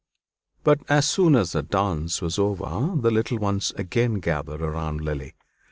But as soon as the dance was over, the little ones again gathered round Lily.